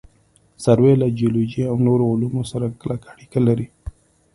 سروې له جیولوجي او نورو علومو سره کلکه اړیکه لري